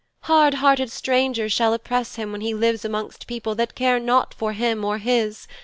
Hard hearted strangers shall oppress him when he lives amongst people that care not for him or his.